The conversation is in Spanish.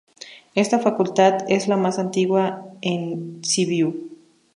Esta facultad es la más antigua en Sibiu.